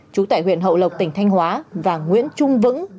chú tại huyện hậu lộc tỉnh thanh hóa và nguyễn trung vững